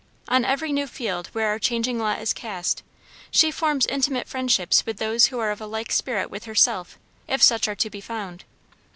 On every new field where our changing lot is cast, she forms intimate friendships with those who are of a like spirit with herself, if such are to be found.